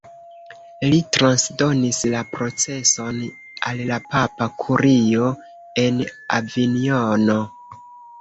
Li transdonis la proceson al la papa kurio en Avinjono.